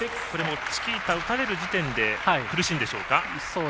これもチキータ打たれる時点で苦しいんでしょうか？